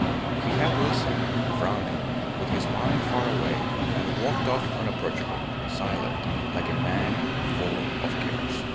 He had listened, frowning, with his mind far away, and walked off unapproachable, silent, like a man full of cares.